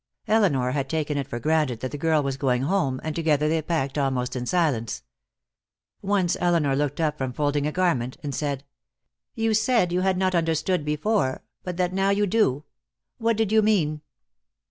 Elinor had taken it for granted that the girl was going home, and together they packed almost in silence. Once Elinor looked up from folding a garment, and said: "You said you had not understood before, but that now you do. What did you mean?"